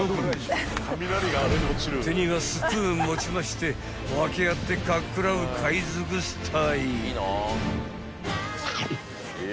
［手にはスプーン持ちまして分け合ってかっ食らう海賊スタイル］